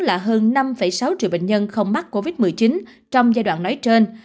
là hơn năm sáu triệu bệnh nhân không mắc covid một mươi chín trong giai đoạn nói trên